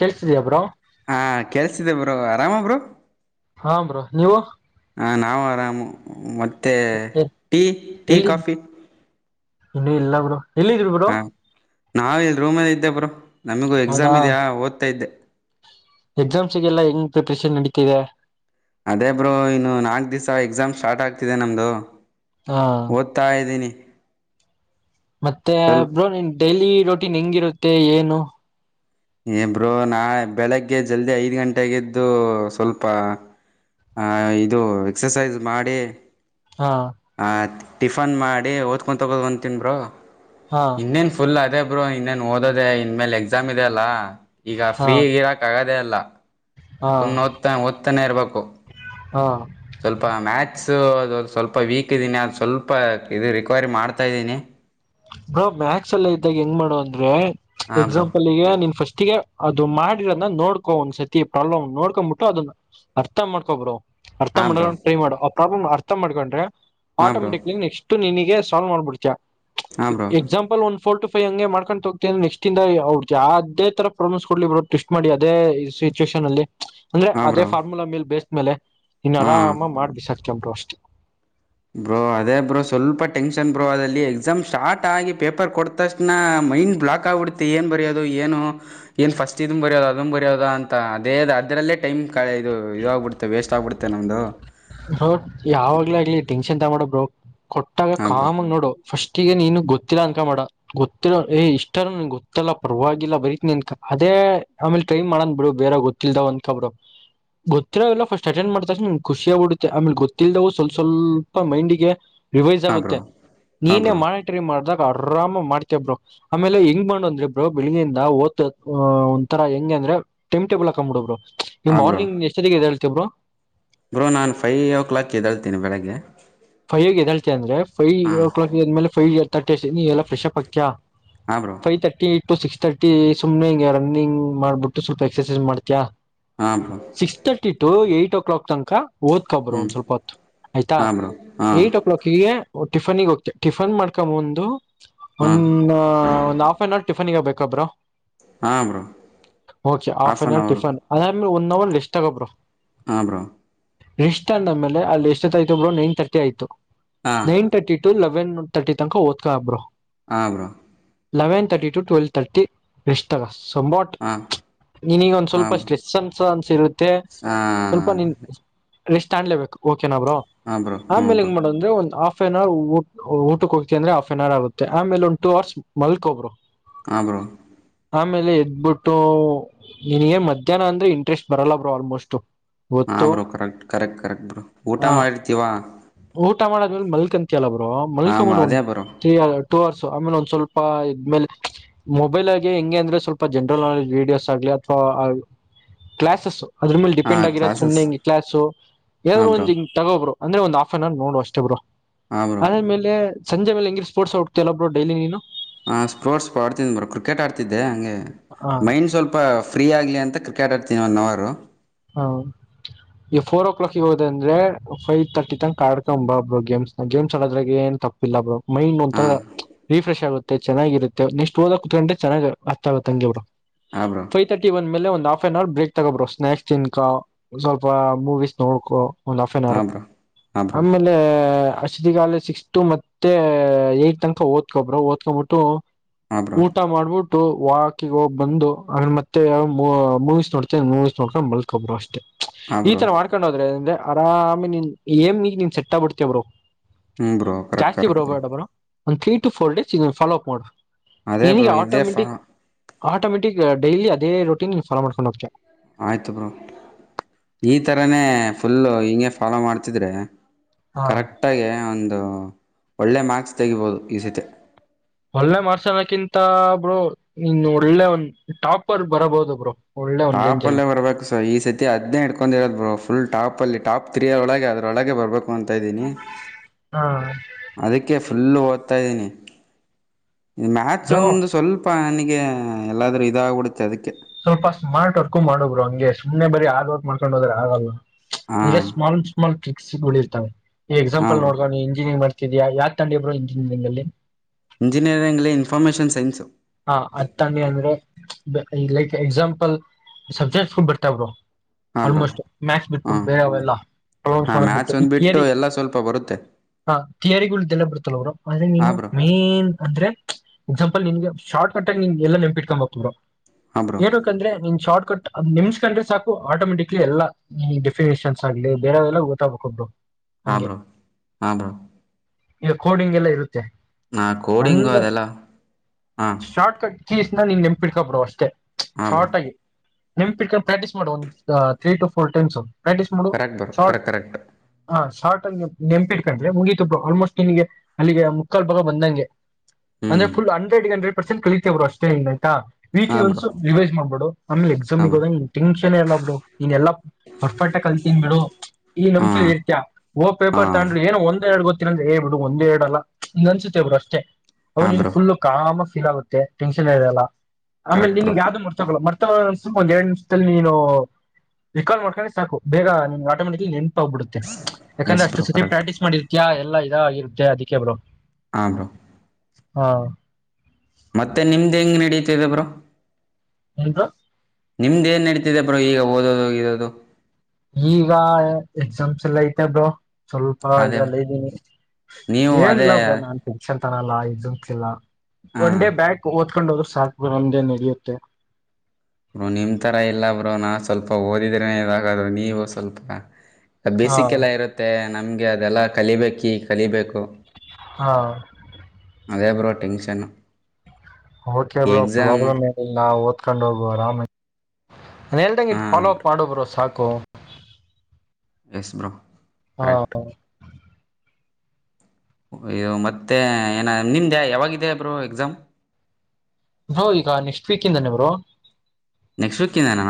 ಕೇಳ್ತಿದೀಯ bro ಹಾ ಕಳ್ಸಿದೇ ಬರು ಆರಾಮಬ್ರು ಹ ಬ್ರೋ ನೀವು ಹಾಂ ನಾವು ಆರಾಮು ಮತ್ತೆ ಟೀ ಟೀ ಎಲ್ಲಿ ಕಾಫಿ ಇನ್ನು ಇಲ್ಲ ಬ್ರು ಎಲ್ಲಿದ್ರು ಬ್ರೋ ನಾವವು ಇಲ್ ರೂಮ್ಲ್ಲಿ ಇದ್ದೇಬ್ರು ನಮಗೂ ಎಕ್ಸಾಮ್ ಹೌದಾ ಇದೆಯಾ ಓದ್ತಾ ಇದ್ದೆ ಎಕ್ಸಾಮ್ಸ್ಗೆಲ್ಲಾ ಹೆಂಗ್ ಪ್ರಿಪರೇಷನ್ ನಡಿತತಿದೆ ಅದೇ ಬ್ರೋ ಇನ್ನು ನಾಲ್ಕ್ದಿವ್ಸ ಎಕ್ಸಾಮ್ ಸ್ಟಾರ್ಟ್ ಆಗ್ತಿದೆ ನಮ್ದು ಹಾ ಓದ್ತಾ ಇದ್ದೀನಿ ಮತ್ತೆ ಸ್ವಲ್ಪ ಬ್ರೋನ್ ಡೈಲಿ ರೋಟೀನ್ಗಿರುತ್ತೆ ಏನು ಏ ಬ್ರೋ ನಾ ಬೆಳಗ್ಗೆ ಜಲ್ದಿ ಐದು ಗಂಟೆಗ್ದು ಸ್ವಲ್ಪ ಇದು ಎಕ್ಸಸೈಜ ಮಾಡಿ ಹಾ ಆ ಟಿಫನ್ ಮಾಡಿ ಓದ್ಕೊಂಡು ತೊಗೋದು ಅಂತೀನ್ [unintelligible] ಬ್ರೋ ಹಾ ಇನ್ನೇನ್ ಫುಲ್ ಅದೇ ಇ ಇನ್ನೇನ್ ಓದದೆ ಇನ್ ಮೇಲೆ ಎಕ್ಸಾಮ್ ಇ ಇಲ್ಲ ಈಗ ಹಾ ಫ್ರೀಗ ಇರಕ್ ಆಗದೆೇ ಅಲ್ಲ ಹ ಹಾ ಸುಮ್ನೆ ಓದ್ತಾ ಓದ್ತಾನೇ ಇರ್ಬೇಕು ಹಾ ಸ್ವಲ್ಪ ಮ್ಯಾಥಸು ಅ ಸ್ವಲ್ಪ ವೀಕ್ ಇದ್ದೀನಿ ಅದು ಸ್ವಲ್ಪ ಇದು ರಿಕ್ವರಿ ಮಾಡ್ತಾ ಇದ್ದೀನಿ ಬ್ರೋ ಮ್ಯಾಕ್ಸ್ ಎಲ್ಲ ಇದ್ದಾಗ ಹೆಂಗ್ ಮಾಡು ಅಂದ್ರೆ ಹಾ ಬ್ರೋ ಎಕ್ಸಾಂಪಲ್ಗೆ ನೀನ್ ಫಸ್ಟ್ ಫ್ರಿಸ್ಟ್ಗೆ ಅದು ಮಾಡಿರದನ್ನ ನೋಡ್ಕೊ ಒಂದ್ ಸತಿ ಪ್ರಾಬ್ಲಮ್ ನೋಡ್ಕೊ್ಬಿಟ್ಟು ಅದನ್ನ ಅರ್ಥ ಮಾಡ್ಕೊ ಬ್ರೋ ಅರ್ಥ ಹಾ ಬ್ರೋ ಮಾಡಕೊಂಡ್ ಟ್ರೈ ಮಾಡು ಪ್ರಾಬ್ಲಮ್ ಅರ್ಥ ಮಾಡಿಕೊಂಡ್ರೆ ಹಾ ಬ್ರೋ ಆಟೋಮೆಟಿಕ್ಲಿ ನೆಕ್ಸ್ಟ್ ನಿನಗೆ ಸಾಲ್ವೆ ಮಾಡಿಬಿಡ್ತೀಯ ಹಾ bro example one four to ಫೈವ್ಂಗೆ ಮಾಡ್ಕೊಂಡು ಹೋಗ್ತಿ ನೆಕ್ಸ್ಟ್ ಇಂದ ಹಡ್ ಅದೇ ತರ ಪ್ರಾಬ್ಲ್ಸ್ ಕೊಡ್ಲಿ ಬ್ರೋ ಟೆಸ್ಟ್ ಮಾಡಿ ಅದೇ ಸಿಚುವೇಷನಲ್ಲಿ ಅಂದ್ರೆ ಹಾ ಅದೇ ಬ್ರೋ ಫಾರ್ಮುಲಾ ಮೇಲೆ ಬೆಸ್ಟ್ ಆಮೇಲೆ ಇನ್ ಹಾ. ಆರಾಮ ಮಾಡ್ಬಿಕಸ್ತೀಯ [inaudible] ಬ್ರೋ ಅದೇ ಬ್ರೋ ಸ್ವಲ್ಪ ಟೆನ್ಷನ್ ಬ್ರೋ ಅಲ್ಲಿ ಎಕ್ಸಾಮ್ ಸ್ಟಾರ್ಟ್ ಆಗಿ ಪೇಪರ್ ಕೊಟ್ಟ ತಕ್ಷಣ ಮೈಂಡ್ ಬ್ಲಾಕ್ ಆಗ್ಬಿಡತ್ತೆ ಏನ್ ಬರಯೋದು ಏನು ಏನ್ ಫಸ್ಟ್ ಇದ ಬರಯೋದು ಅದಮ್ ಬರಿಯೋದ ಅಂತ ಅದೇ ಅದರಲ್ಲೇ ಟೈಮ್ ಇದು ಇದು ಆಗ್ಬಿಡುತ್ತೆ ವೇಸ್ಟ್ ಆಗ್ಬಿಡುತ್ತೆ ನಮ್ದು ಹೌ ಯಾವಾಗ್ಲ ಆಗ್ಲಿ ಟೆನ್ಶನ್ ಚಿಂತಾ ಮಾಡು ಬ್ರೋ ಕೊಟ್ಟಾಗ ಹಾಂ ಬ್ರೋ ಕಾಮಗ್ ನೋಡು ಫಸ್ಟ್ ಫ್ರಿಸ್ಟ್ಗೆ ನೀನು ಗೊತ್ತಿಲ್ಲ ಅನ್ಕೋಬೇಡ ಗೊತ್ತಿರ ಏ ಇಷ್ಟಾರ ಗೊತ್ತಲ್ಲ ಪರವಾಗಿಲ್ಲ ಬರಿತಿನ ಅನ್ಕೊ ಅದೇ ಆಮೇಲೆ ಟ್ರೈ ಮಾಡನ ಬಿಡು ಬೇರೆ ಗೊತ್ತಿಲ್ಲದಾವ್ ಅನ್ಕೊಂಡಬಿಡು ಗೊತಿರೋಲ್ಲ ಫಸ್ಟ್ ಅಟೆಂಡ್ ಮಾಡ್ತಕ್ಷಣ ಖುಷಿಯಾಗಿ ಮತ್ತ ಆಮೇಲೆ ಗೊತ್ತಿಲ್ದವು ಸ್ವಲ್ಪ ಸ್ವಲ್ಪ ಮೈಂಡಿಗೆ ರಿವೈಸ್ ಹಾಂ ಬ್ರೋ ಆಗುತ್ತೆ ಹಾಂ ನೀನೇ ಬ್ರೋ ಮಾನಿಟರಿ ಮಾಡಿದಾಗ ಆರಾಮ ಮಾಡತ್ತಿಯಾ ಬ್ರೋ ಆಮೇಲೆ ಹೆಂಗ್ ಮಾಡು ಅಂದ್ರೆ ಬೆಳಿಗೆಯಿಂದ ಓದ ಒಂದ ತರ ಹೆಂಗ ಅಂದ್ರೆ ಟೈಮ್ ಟೇಬಲ್ ಹಾಕೊಂಡ ಬಿಡು ಬ್ರೋ ಈ ಹಾಂ ಬ್ರೋ ಮಾರ್ನಿಂಗ್ ಎಷ್ಟೊತ್ತಿಗೆ ಎದ್ದೇಳ್ತಿಯಾ ಏಳ್ತಿಯಾ ಬ್ರೋ ಬ್ರೋ ನಾನು ಫೈವ್ ಓ ಕ್ಲಾಕ್ ಎದಳ್ತೀನಿ ಬೆಳಗ್ಗೆ ಫೈವ್ಗೆ ಎದ್ದೇಳ್ತಿಯಾ ಅಂದ್ರೆ ಹಾಂ ಫೈವ ಕ್ಲಾಕ್ ನೀನು ಎದ್ದೇಲ್ಮೇಲೆ ಪೈ ಫೈವ್ ತಿರ್ಟಿ ನೀನ್ ಎಲ್ಲ ಫ್ರೆಶ್ಪ್ ಹಾಕ್ತಿಯ ಹಾಂ bro five thirty to six thirty ಸುಮನೆ ಹಂಗೆ ರನ್ನಿಂಗ್ ಮಾಡ್ಬಿಟ್ಟು ಸ್ವಲ್ಪ ಎಕ್ಸರ್ಸೈಜ್ ಮಾಡ್ತಿಯಾ ಹಾಂ bro six thirty to eight o'clock ತನಕ ಓದ್ಕಬರು ಹ್ಞೂ ಒಂದ್ ಸ್ವಲ್ಪ ಹೊತ್ತು ಆಯ್ತಾ, ಹಾಂ ಬ್ರೋ ಹಾಂ ಎಂಟೊಕಲೋಕೀಗೇ ಓ ಟಿಫನ್ ಗೆ ಹೋಗತಿಯಾ ಟಿಫನ್ ಮಾಡ್ಕೊ ಬಂದು ಹಾಂ ಒಂದ ಒಂದ್ ಹಾಫ್ ಒನ ಅವರ್ ಫನ್ಗ ಬೇಕಬ್ರ ಹಾಂ bro okay half an hour ಅವರು ಟಿಫನ್ ಅ ಒಂದು ಅವರ್ ಲಿಸಷ್ಟ ತಗೊಂಡ್ಬಿಡು. ಹಾ ಬ್ರೋ ರೆಷ್ಟತ ಅಂದೇ ಅಲ್ಲಿ ಎಷ್ಟ ಹೋತ್ತಾಯ್ತು ಬ್ರೋ ನೈನರ್ತಟಿ ಆಯ್ತು ಹಾಂ nine thirty to when thirty ತನಕ ಓದ್ಕಾ ಬ್ರೋ ಹ bro eleven thirty to twelve thirty ರೆಷ್ಟತಗೋ ಸಂಬಾಟ್ ಹಾಂ ನೀನೀಗ ಒಂದ ಹಾಂ ಸ್ವಲ್ಪ ಬ್ರೋ ಸ್ಟಸ್ ಅನ್ಸ ಅನ್ಸ್ ಇರುತ್ತೆ ಸ್ವಲ್ಪ ಹಾಂ ನೀನ್ ನಿಶ್ತ್ ತಾಣ್ಲೇಬೇಕು ಓಕೆನಾ ಬ್ರೋ, ಹಾ ಬ್ರೋ ಹ್ಮ ಬ್ರೋ ಮೇಲಿಂಗ ಮಾಡ್ರ ಒಂದು ಹ ಆಫ್ನ್ ಅವರ್ ಊ ಊಟಕ್ಕೆ ಹೋಗ್ತತಿ ಅಂದ್ರೆ ಆಫ್ನ್ ಅವರ್ ಆಗುತ್ತೆ ಆಮೇಲೆ ಒಂದ್ ಟೂ ಅವರ್ಸ್ ಮಲ್ಕೊಬ್ರು. ಹಾ ಬ್ರೋ ಆಮೇಲೆ ಎದ್ಬಿಟ್ಟು ನಿನಗೆ ಮಧ್ಯಾಹ್ನ ಅಂದ್ರೆ ಇಂಟ್ರೆಸ್ಟ್ ಬರಲ್ಲ ಬ ಆಲ್ಮೋಸ್ಟ್. ಹಾ ಗೊತ್ತು ಬ್ರೂ ಕರೆಕ್ಟ್ ಕರೆಕ್ಟ್ ಕರೆಕ್ಟ್ ಬ್ರರು ಊಟ ಹ ಮಾಡಿರ್ತೀವಾ? ಊಟ ಮಾಡಾದ್ಮೇಲೆ ಮಲ್ಕಂತ ಬ್ರೋ ಹಾಂ ಮಲ್ಕೊಂದ್ಬಿಡು ಒಂದ್ ಅದೇ ಬ್ರೋ ಥ್ರೀ ಟೂ ಅವರ್ಸ್ ಆಮೇಲೆ ಒಂದ್ ಸ್ವಲ್ಪ ಇದ್ಮೇಲೆ ಮೊಬೈಲ್ ಆಗಿ ಹೆಂಗೆ ಅಂದ್ರೆ ಸ್ವಲ್ಪ ಜನರಲ್ ನಾಲೆಜ್ ವೀಡಿಯೋಸ್ ಆಗಲಿ ಅಥವಾ ಕ್ಲಾಸಸ್ ಅದ್ರ ಮೇಲೆ ಹಾಂ ಡಿಪೆಂಡ್ ಆಗಿರೋದು ಕ್ಲಾಸಸ್ ಸು್ನೆ ಹಿಂಗ ಕ್ಲಸ್ು ಹಾಂ ಏಾದ್ರು ಬ್ರೋ ಒಂದು ಹಿಂಗ ತಗೊ ಬ್ರೋ ಅಂದ್ರ ಒಂದು ನನ್ ನೋಡು ಅಷ್ಟೇ ಬರು ಹಾಂ ಬ್ರೋ ಅದ್ಮೇಲೆ ಸಂಜೆ ಮಲೆ ಹೆಂಗಿ ಸ್ಪೋರ್ಟ್ಸ್ ಹೋಗ್ತಿ ಅಲ್ವಾ ಬ್ರೋ ಡೈಲಿ ನೀನು ಹಾ ಸ್ಪೋರ್ಟ್ಸ್ ಆಡ್ತಿ ಮರ ಕ್ರಿಕೆಟ್ ಆಡ್ತಿದ್ದೆ ಹಂಗೆ ಹ ಮೈಂಡ್ ಸ್ವಲ್ಪ ಫ್ರೀ ಆಗ್ಲಿ ಅಂತ ಕ್ರಿಕೆಟ್ ಆ ಒನ್ ಹೌರ ಹ ಈಗ ಫೋರ್ ಓ ಕ್ಲಾಕ್ ಹೋದ ಅಂದ್ರೆ ಫೈವ್ ತರ್ಟಿ ತಂಗ ಕಡ್ಕೊಂಬ ಬಬ್್ರರು ಗೇಮ್ಸ್ ನ ಗೇಮ್ಸ್ ಆಡೋದ್ರಾಗ ಏನ್ ತಪ್ಪಿಲ್ಲ ಬಬ್ರು ಮೈಂಡ್ ಒಂಥರ ಹಾಂ ರಿಫ್ರೆಶ್ ಆಗುತ್ತೆ ಮ ಚೆನ್ನಾಗಿರುತ್ತೆ ನಕ್ಟ್ ಓದಾ ಕತ್ಕಟೆ ಚೆನ್ನಾಗ ಆರ್ತ ಆಗ ತಂಗಗೆವ್ರು ಹಾಂ ಬ್ರೋ ಫೈವ್ ತರ್ಟಿ ಒನ್ ಮೇಲೆ ಒಂದು of half and hour break ತಗೋ ಬ್ರೋ ಸ್ನಕ್ಸ್ ತಿನ್ಕ ಸ್ವಲ್ಪ ಮೂವೀಸ್ ನೋಡ್ಕೊ ಒಂದು ಆಫ್ ಆನ್ ಹೌರ ಹಾಂ ಬ್ರೋ ಹಾಂ ಬ್ರೋ ಆಮೇಲೆ ಅಷ್ಟದ ಕಾಲ ಸಿಕ್ಸ್ ಟ ಮತ್ತೆ ಏಟ್ ತನಕ ಓದ್ಕೊಬರು ಓದ್ಕೊ್ಬಿಟ್ಟು ಹಾಂ ಬ್ರೋ ಊಟ ಮಾಡ್ಬಿಟ್ಟು ವಾಕಿಗೆ ಹೋಗ್ ಬಂದು ಅ ಮತ್ತೆ ಮೂವೀಸ್ ನೋಡ್ತೇನೆ ಮೂವೀಸ್ ನೋಡ್ ಬಂದ್ ಮಲ್ಕೋ ಬ್ರೋ ಅಷ್ಟೇ ಹಾಂ ಈ ಬ್ರೋ ತರ ಮಾಡ್ಕೊಂಡು ಹೋದ್ರೆ ಅ ಆರಾಮೇ ನೀನ್ ಏಮ್ ಈಗ ನೀನ್ ಸೆಟ್ಟ ಬಿಡ್ತೇವರು ಹ್ಮ್ ಬ್ರೋ ಕರೆಕ್ಟ್ ಕರೆಕ್ಟ್ ಬ್ರೋ ಒಂದು ತ್ರೀ ಟ ಫೋರ್ ಡೇ ಇದ ಲೋ ಅಪ್ ಮಾಡಿ ಅದೇ ಬ್ರೋ ಇದೇ ಫಾರ ಆಟೋಮೆಟಿಕ್ ಡೈಲಿ ಅದೇ ರೊಟೀನ್ ಲೋ ಮಾಡ್ಕೊಂಡುಹೋಗ್ತೀಯ ಆಯ್ತು ಬ್ರೋ ಈ ಥರನೇ ಫುಲ್ಲು ಹಿಂಗೆ ಫಾಲೋ ಮಾಡ್ತಿದ್ರೆ ಕರೆಕ್ಟಗ ಒಂದು ಒಳ್ಳೆ ಮಾರ್ಕ್ಸ್ ತೆಗಿಬೋದು ಈ ಸತೆ ಒಳ್ಳೆ ಮಾಡಾರ್ಸಣಕ್ಕಿಂತ ಬರು ಇನ್ ಒಳ್ಳೆ ಒಂದ್ ಟಾಪರ್ ಬರಬಹದು ಬರು ಟಾಪ ಅಲ್ಲೇ ಬರ್ಬೇಕು ಸೊ ಈ ಸತಿ ಅದ್ನೆ ಇಡ್ಕೊಂಡ್ ಇರೋ ಫುಲ್ ಟಾಪ ಅಲ್ಲಿ ಇ ಟಾಪ್ ತ್ರೀಯ ಒಳಗೆ ಅದರೊಳಗೆ ಬರಬೇಕು ತಾ ಇದ್ದೀನಿ ಹಾ ಅದಕ್ಕೆ ಫುಲ್ತ್ತು ಹತಾಯ್ದೀನಿ ಇ ಮಥ್ಸ್ ಬ್ರೋ ಒಂದು ಸ್ವಲ್ಪ ಹಂಗೆ ಎಲ್ಲಾದ್ರೂ ಇದಾಗಬಿಡುತ್ತೆ ಅದಕ್ಕೆ ಸ್ವಲ್ಪ ಸ್ಮಾರ್ಟ್ ವರ್ಕು ಮಾಡರು ಹಂಗೆ ಸುಮ್ನೆ ಬರಿ ಆ ವರ್ಕ್ ಮಾಡ್ಕೊಂಡು ಹೋದ್ರ ಆಗಲ್ಲ ಹಾಂ ಸ್ಮಲ್ ಸ್ಮಲ್ ಕಿಕ್ ಸಿಗಳಿರ್ತಾವ ಹಾಂ ಎಕ್ಸಾಪಲ್ ನೋು ಬ್ರೋ ಇಂಜಿನಿಯರಿಂಗ ಮಾಡ ಇದಾ ಯಾ ತಂಡಿಬ್ ಇಂಜಿನಂಗ ಅಲ್ಲಿ ಎಂಜಿನಿಯರಿಂಗ್ಲಿ ಇನ್ಫರ್ಮೇಶನ್ ಸೈನ್ಸು ಹಾ ಅ ತಾನಿ ಅಂದ್ರೆ ಲೈಕ್ ಎಕ್ಸಾಂಪಲ್ ಸಬ್ಜೆಕ್ಟ್ ಫುಡ್ ಬರ್ತಾ ಬರು ಹಾಂ ಬ್ರೋ ಆಲ್ಮೋಸ್ಟ್ ಮ್ಯಾಸ್ ಬಿಟ್ಬಿಟ್ಟು ಹಾಂ ಬೇರೆ ಅವೆಲ್ಲ ಪ್ರಬ್ ಹಾಂ ಮಾಡಕ್ ಬಿಟ್ಟು ಮ್ಯಾಥ್ಸ್ ಈ ಒಂದು ಯರಿ ಎಲ್ಲ ಸ್ವಲ್ಪ ಬರುತ್ತೆ ಹ ಯರಿಲ್ಲ ಬರ್ತಲ್ ಅವರು ಆದ್ರೆ ನೀನು ಹಾಂ ಬ್ರೋ ಮೈನ್ ಅಂದ್ರೆ ಎಕ್ಸಾಂಪಲ್ ಹ ನಿನ್ಗೆ ಶಾರ್ಟ್ ಕಟ್ ಆ ನ ಎಲ್ಲ ನೆಪಿಟ್ಕಂಬ ಬರ ಹಾಂ ಬ್ರೋ ಹೇಳ್ಂದ್ರೆ ನಿನ್ ಶಾರ್ಟ್ ಕಟ್ ನಿಮಸ್ಕಂಡ್ರೆ ಸಾಕು ಆಟೋಮೆಟಿಕ್ಲಿ ಎಲ್ಲ್ ಡೆಫಿನೇಷನ್ಸ್ ಆಗ್ಲಿ ಬೇರೆಲ್ಲ ಗೊತ್ತಾಗ್ಬೇಕಕ್ ಒಬ್ಬರು ಹಾ ಬ್ರೋ ಹಾ ಬ್ರೋ. ಈಗ ಕೋಡಿಂಗ್ ಎಲ್ಲ ಇರುತ್ತೆ. ನಾ ಕೋಡಿ ಇಂಗೋ ಅದೆಲ್ಲ. ಹಾಂ ಶಾರ್ಟ ಕಟ್. ಕೀಸ್ ನ ನೀನ್ ನೆಪಿಡ್ಕೊಬಡ ಅಷ್ಟೇ. ಹಾಂ ಬ್ರೋ ಶಹರಟಾಗಿ. ನಿೆಪಟ್ಕೊಂಡು ಪ್ರಾಕ್ಟೀಸ್ ಮಾಡ ಒ್ ತ್ರೀ ಟ ೋರ್ ಟೈಮ್. ಪ್ರಾಕ್ಟಿಸಸ್ ಮಾಡು correct bro short correct correct ಹ ಶಾರ್ಟ್. ನೆಂಪಿಟ್ಕೊಂಡ್ರೆ ಮುಗಿತುಬ್ ಆಲ್ಮೋಸ್ಟ್ ನಿಿನಗೆ ಅಲ್ಲಿಗೆ ಮುಕ್ಕಾಲ್ ಬಾಗ ಬಂದಂಗೆ. ಹ್ಞೂ ಅಂದ್ರೆ ಫುಲ್ ಹಂಡ್ರೆಡ್ ಗಂಡ. ಪರ್ಸೆಟ್ ಕಳಿತೀವ ಅವರು ಅಷ್ಟೇಏ ಆ್ತಾ. ವೀಟ್ ಹಾಂ ಬ್ರೋ ಒಂದಸ ರಿವೈಸ್ ಮಾಡ್ಬೇಡು ಆಮೇಲೆ ಹಾಂ ಎಕ್ಸಾಮಿಗೆ ಬ್ರೋ ಹೋದಾಗ ಟೆನ್ಷನ್ ಎಲ್ಲಾ ಬಿಡು ಇನ್ ಎಲ್ಲ ಪರ್ಫೆಕ್ ಆಗಿ ಕಲ್ತನ್ ಬಿಡು. ಈ ನಮ್ೆಲ್ಲಿ ಹಾಂ ಇರ್ತಾ ಓ ಪೇಪರ್ ಹಾಂ ತಗಂಡ್ರ ಏನೋ ಒಂದ್ ಎರಡು ಗೊತ್ತ. ಇ ಹೇಬ ಬಿಡು ಒಂದೆರಡ ಅಲ್ಲ ನೆನ್ಸುತ್ತೆಬ್ರು ಅಷ್ಟೇ. ಹಾ ಅವನು ನೀನ್ ಬ್ರೋ ಫುಲ್ಲು ಕಾಮ. ೀಗುತ್ತೆ ಟೆನ್ಷನ್ ಇದೆಲ್ಲ. ಆಮೇಲೆ ಕರೆಕ್ಟ್ ನಿನ್ಗ ಬ್ರೋ ಯಾವ್ ಮರ್ ತಗೋಲ್ಲ ಮರ್ತ. ಇ ಒಂದ್ ಎರಡು ನಿಮಿಷದಲ್ಲಿ ನೀನು ರಿಾಲ್ ಮಾಡ್ಕೊಂಡೆ ಸಾಕು ಬೇಗ ನಿ ಆಟೋಮೆಟಿಕ್ಲಿ. ಹೋಗ್ಬಿುತ್ತೆ ಯಾಕಂದ್ರೆ ಎಸ್ ಅಷ್ಟ ಬ್ರೋ ಸತಿ ಕರೆಕ್ಟ್ ಪ್ರಾಕ್ಟೀಸ್ ಮಾಡಿರ್ತಾ. ಎಲ್ಲ ಇದಾಗಿರುತ್ತೆ ಅದಕ್ಕೆ ಬಬ್ರು. ಆ ಬ್ರೋ. ಹಾ. ಮತ್ತೆ ನಿಮ್ದ್ ಹೆಂಗ್ ನಡೀತಿದೆ ಬ್ರೋ. ಎನ್ ಬ್ರೋ. ನಿಮ್ದ್ ಏನ್ ನಡೀತಿದೆ ಬ್ರೋ ಈಗ ಓದೋದು ಹೋಗಿರೋದು. ಈಗ ಎಕ್ಸಾಮ್ಸ್ ಎಲ್ಲ ಐತ ಬ್ರೋ. ಸ್ವಲ್ಪ ಅದೇ ಇದ್ರಲ್ಲ ಇದ್ದೀನಿ ನೀವು ಅದೇ ಏನಿಲ್ಲ ಬ್ರ ನಾನ್ ೆನ್. ತರಲ್ಲ ಇದಂತಲ್ಲ. ಹಾ ಒನ್ ಡೇ ಬ್ಯಾಾಗ ಓದ್ಕೊಂಡು ಹೋ. ಸಾರ್ಕ ಬರಂಡ ನಡಿಯಂತೆೆ. ಬರು ನಿಮ್ಮಥರ ಇಲ್ಲ ಬ್ರರು ನಾು ಸ್ವಲ್ಪ ಓದಿದ್ರೇ ಇವಾಗಾದ್ರೂ ನೀವು ಸ್ವಲ್ಪ. ಹಾ ಬೇಿಸಿಗೆಲ್ಲ ಇರುತ್ತೆ. ನಮ್ಗೆ ಅದೆಲ್ಲಾ ಕಲಿಬೇಕಿ ಕಲಿಬೇಕು. ಹೌ. ಆದೆ bro tension. Okay bro problem ಏನಿಲ್ಲ ಓದ್ಕೊಂಡ್ ಹೋಗ್ ಆರಾಮಗಿ ನಾನ ಹ ಹೇಳ್ದಂಗ ಹಾ ಇ ಫಾಲೋ ಅಪ್ ಮಾಡು ಬ್ರೋ ಸಾಕು ಕ [inaudible] ಎಸ್ ಬ್ರೋ ಹಾ ಕರೆಕ್ಟ್ ಇಯ್ಯದು ಮತ್ತೆ ಏನ ನಿಮ್ದ ಯಾವಾಗಾಗಿದೆ ಬ್ರೋ ಎಕ್ಸಾಮ್ ನೋ ಈಗ ನೆಕ್ಸ್ಟ್ ವೀಕ್ ಇಂದನೇ ಬ್ರೋ ನೆಕ್ಸ್ಟ್ ವೀಕ್ಿಂದೇನ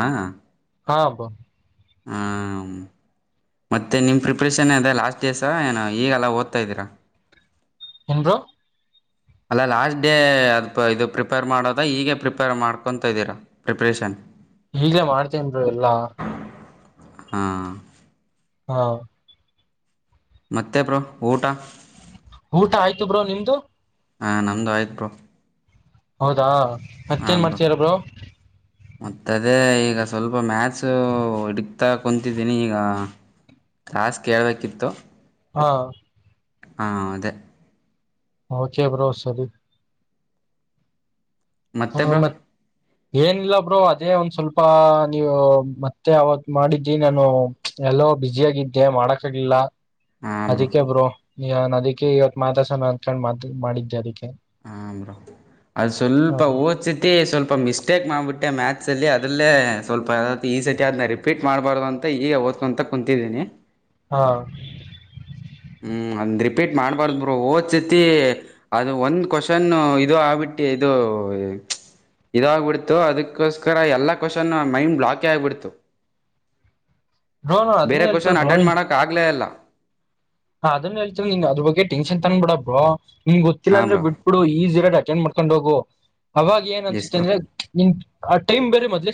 ಹಾ ಬ್ರೋ ಹಾಂ ಮತ್ತೆ ನಿಮ್ಮ ಪ್ರಿಪ್ರೇಷನ್ ಅದೆ ಲಾಸ್ಟ್ ಡೇ ಸ ಏನ ಈಗಲ್ಲ ಓದ್ತಾ ಇದ್ದೀರಾ ಎಂನ್ ಬ್ರೋ ಅಲ್ಲ ಲಾಸ್ಟ್ ಡೇ ಅದು ಇದು ಪ್ರಿಪೇರ್ ಮಾಡೋದ ಈಗ ಪ್ರಿಪೇರ್ ಮಾಡ್ಕೊತ ಇದ್ದೀರಾ ಪ್ರಿಪ್ರೇಷನ್ ಈಗ್ಲೇ ಮಾಡ್ತೇನ್ ಬ್ರೋ ಎಲ್ಲಾ ಹಾ ಹಾ ಮತ್ತೆ ಬ್ರೋ ಊಟ ಊಟ ಆಯ್ತು ಬ್ರೋ ನಿಮ್ದು ಹಾಂ ನಮದುು ಆಯ್ತು ಬ್ರೋ ಹೌದಾ ಮತ್ತೇನ್ ಮಾಡ್ತಾರ ಬ್ರೋ ಮತ್ತ ಅದೇ ಈಗ ಸ್ವಲ್ಪ ಮ್ಯಾಥ್ಸು ಹಿಡ್ಕ್ತಾ ಕುಂತಿದ್ದೀನಿ ಈಗ ಕ್ಲಾಸ್ ಕೇೇಳಬೇಕಿತ್ತು ಹಾ ಹಾ ಅದೇ ಹ ಚೆ ಬ್ರ ಸರಿ ಹಾ ಮತ್ತೆ ಬ್ರೋ ಮತ್ತ ಏನಿಲ್ಲ ಒಬ್್ರರು ಅದೇ ಒಂದ್ ಸ್ವಲ್ಪ ನೀವು ಮತ್ತೆ ಅವತ್ ಮಾಡಿದಿ ನಾನು ಎಲ್ಲೋ ಬಿ್ಯುಸ ಆಗಿದ್ದೆ ಮಾಡಕ್ ಆಗ್ಲಿಲ್ಲ ಹಾಂ ಬ್ರೋ ಅದಕ್ಕೆ ಬರೋ ಈನ್ ಅದಿಕ್ಕೆ ಇವತ್ ಮಾತಸ ಅನ್ಕೊಂಡು ಮಾ ಮಾಡಿದ್ದೆ ಅದಕ್ಕೆ ಹ್ರ ಅ ಹ ಸ್ವಲ್ಪ ಓದ್ಸತಿ ಸ್ವಲ್ಪ ಮಿಸ್ಟೇಕ್ ಮಾಡಿಬಿಟ್ಟೆ ಮ್ಯಾಥ್ಸ್ ಅಲ್ಲಿ ಅದ್ರ ಲ್ಲೇ ಸ್ವಲ್ಪ ಈ ಸತಿ ಆದನ ರಿಪೀಟ್ ಮಾಡ್ಬಾರ್ದು ಅಂತ ಈಗ ಓದ್ಕಂತ ಕುಂತಿದ್ದೀನಿ ಹಾ ಹ್ಮ್ ಅಂದ್ ರಿಪೀಟ್ ಮಾಡ್ಬಾರ್ದ ಬರು ಓದ್ಸತಿ ಅದು ಒಂದ್ ಕ್ವಶನ್ ಇದದು ಆಗ್ಬಿಟ್ಟಿ ಇದು ಇದ ಆಗ್ಬಿಡ್ತು ಅದಕ್ಕೋಸ್ಕರ ಎಲ್ಲಾ ಕ್ವಶನ್ ಮೈಂಡ್ ಬ್ಲಾಕ ಆಗ್ಬಿಡ್ತು ಬ್ರೋ ನಾನ್ ಅದನ್ನ ಬೇರೆ ಹೇಳ್ತೀರ ಕ್ವಶನ್ ಅಟೆಂಡ್ ಮಾಡಕ್ ಆಗ್ಲೇ ಅಲ್ಲ ಹ ಅದನ್ನ ಹೇಳ್ತೀ ನೀನ್ ಅದ್ರ ಬಗ್ಗೆ ಟೆನ್ಷನ್ ತಂದ್ ಬಿಡಬೋ ನಿಮ್ ಗೊತ್ತಿಲ್ಲ ಹಾಂ ಅಂದ್ರ ಬ್ರೋ ಬಿಟ್ಬ ಬಿಡು ಈಜಿರಾಟ ಏನ್ ಮಾಡ್ಕೊಂಡ್ ಹೋಗು ಅವಾಗ ಏನ್ ಎಸ್ ಅನ್ಸುತ್ತೆ ಬ್ರೋ ಅಂದ್ರೆ ಇನ್ ಆ ಟೈಮ್ ಬೇರೆ ಮದ್ೆ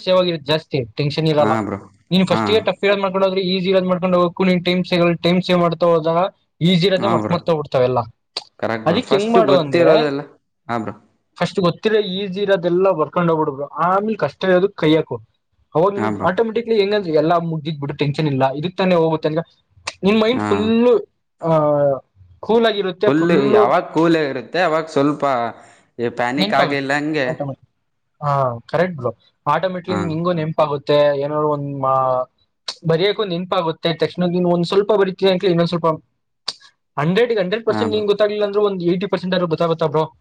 ಜಾಸ್ತಿ ಟೆನ್ ಇಲ್ಲ ಹಾಂ ಬ್ರೋ ನೀನ್ ಫಸ್ಟ್ ಹಾಂ ಫ ಮಾಡ್ಕ ಈಸಿ ಮಾಡ್ಕೊಂಡ ಹೋಗಬೇಕು ಟೈಮ ಸೇ ಟೈ್ ಸೇವ್ ಹೌದ ಈಜಿ ಇರೋದ ಹಾಂ ಮರ್ಕ್ ಬ್ರೋ ಮಾಡ್ತ್ಬಿಡ್ತಾವ ಎಲ್ಲಾ ಕರೆಕ್ಟ್ ಬ್ರೋ ಅದಿಕ್ ಹೆಂಗ್ ಫಸ್ಟು ಮಾಡುವ ಅಂದ್ರೆ ಗೊತ್ತಿರೋದೆಲ್ಲ ಹಾಂ ಬ್ರೋ ಫಸ್ಟ್ ಗೊತ್ತಿರೋ ಈಜಿ ಇರೋದೆಲ್ಲ ವರ್ಕೊಂಡ್ ಹೋಗ್ಬಿಡ್ಬರು ಆಮೇಲೆ ಕಷ್ಟ ಇೋದ ಕೈ್ಯಾಕೋ ಹ ಹಾಂ ಬ್ರೋ ಆಟೋಮೆಟಿಕ್ಲಿ ಹೆಂಗ ಎಲ್ಲ ಮು್ದಿದ್ ಬಿಟ್ಟು ಟೆನ್ಷನ್ ಇಲ್ಲ ಇದಕ್ಕೆ ತಾನೆ ಹೋಗುತ್ತೆಂಗ ಫುಲ್ಲು ಹಾ ಫುಲ್ು ಯಾವಾಗ ಕೂಲ್ಗಿರುತ್ತೆ ಅವಾಗ ಸ್ವಲ್ಪ ಪ್ಯಾನಿಕ್ ನೆನ್ಪಾಗುತ್ತೆ ಆಗಿಲ್ಲ ಹಂಗೆ ಆಟೋಮೆಟಿಕ್ ಹಾ ಕರೆಕ್ಟ್ ಬಕ್ ಆಟೋಮೆಟಕ್ಲಿ ಹಾ ನಿಂಗಗ ನೆಪಾಗಗೆ ಏನಾದ್ರು ಒಂದ್ ಬರಿಯಕ್ ಒಂದ್ ನೆನಪಾಗುತ್ತೆ ತಕ್ಷಣ ನೀ ಒಂದ್ ಸ್ವಲ್ಪ ಬರಿೀ ಇನ್ನ ಸಲ್ಪ ಹಂಡ್ರೆಗೆ ಹಂಡೆಡ್ ಹಾ ಪಸೆಟ್ ನೀ ಬ್ರೋ ಗೊತ್ತಾಗಿಲ್ಲ ಒಂದು ಯಿ ಪರ್ೆಟ್ ಬ್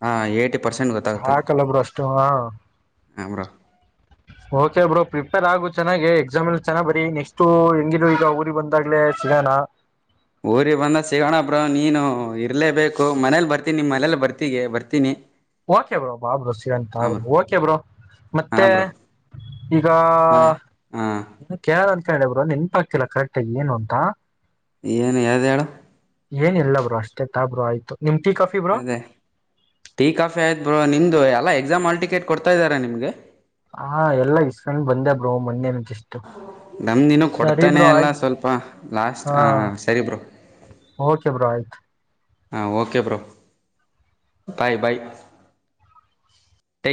ಹಾ ಏಯ್ಟಿ ಪರ್ಸೆಂಟ್ ಸಾಕಲ್ಲ ಬರು ಅಷ್ಟು ಹ ಹ್ರ ಓಕೆ ಬ್ರೋ ಪ್ರಿಪೇರ್ ಆಗು ಚೆನ್ನಾಗೆ ಎಕ್ಸಾಮ್ ಎಲ್ಲಿ ಚೆನ್ನಾಗಿ ಬರರಿ ನೆಕ್ಸ್ಟ್ು ಹೆಂಗಿರು ಈಗ ಊರಿಗೆ ಬಂದಾಗ್ಲೇ ಸಿಗೋಣ ಊರಿಗೆ ಬಂದ ಸಿಗೋಣ ಬ್ರ ನೀನು ಇರ್ಲೇಬೇಕು ಮನೇಲಿ ಬರ್ತೀನಿ ನಿಮ್ ಮನೇಲಿ ಬರ್ತಗೆ ಬರ್ತೀನಿ ಓಕೆ ಬ್ರೋ ಬಾಬ ಸಂತ ಬಾಬ ಓಕೆ ಬ್ರೋ ಹಾ ಮತ್ತೆ ಬ್ರೋ ಮನೆ ಹಾ ಈಗೇಳ ಬ ನೆನ್ಪ ಆಗ್ತಿಲ್ಲ ಕರೆಕ್ಟ್ಾಗಿ ಏನು ಅಂತ ಏನು ಯ್ದ್ಯಾಡ ಏನಿಲ್ಲಲ್ಲ ಬ್ರರು ಅಷ್ಟೆ ತಾ ಬ್ರೋ ಆಯ್ತು ನಿಮ್ ಟೀ ಕಾಫಿ ಬ್ರೋ ಅದೇ ಆಫೇದ ನಿಮ್ದು ಎಲ್ಲಾ ಎಕ್ಸಾಮ್ ಆಲ್ಟಿಕೇಟ್ ಕೊಡ್ತಾ ಇದಾರಾ ನಿಮ್ಗೆ ಹಾ ಎಲ್ಲಾ ಇಷ್ಟನ್ ಬಂದೆ ಬ್ರೋ ಮೊೆ ನಮದಿನೂ ಕೊಡ್ತಾನೆ ಅಲ್ಲ ಆಯ್ತು ಸ್ವಲ್ಪ ಲಾಸ್ಟ್ ಹಾ ಸರಿ ಬರು ಓಕೆ ಬ್ರೋಹತ್ ಹಾ ಓಕೆ ಬ್ರೋ ಬಾಯ್ ಬಾಯ್